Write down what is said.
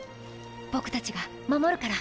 ボクたちが守るから。